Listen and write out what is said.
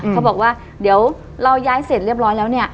เขาบอกว่าเดี๋ยวเราย้ายเสร็จเรียบร้อยแล้วเนี่ย